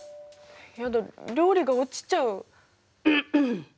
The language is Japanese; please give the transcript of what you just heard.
やだ料理が落ちちゃう。